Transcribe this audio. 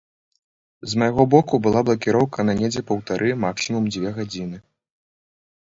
З майго боку была блакіроўка на недзе паўтары - максімум дзве гадзіны.